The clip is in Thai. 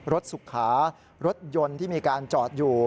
สุขารถยนต์ที่มีการจอดอยู่